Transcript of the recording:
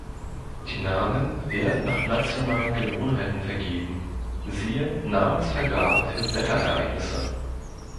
Die Namen werden nach nationalen Gewohnheiten vergeben, siehe Namensvergabe für Wetterereignisse.